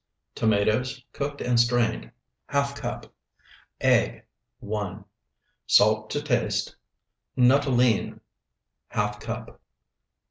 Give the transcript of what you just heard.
Tomatoes, cooked and strained, ½ cup. Egg, 1. Salt to taste Nuttolene, ½ cup.